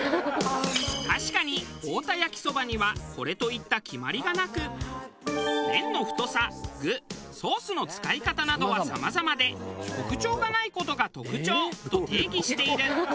確かに太田焼きそばにはこれといった決まりがなく麺の太さ具ソースの使い方などはさまざまで「特徴がない事が特徴」と定義している。